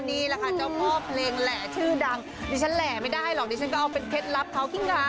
นี่ฉันอยากให้แหละเพราะว่า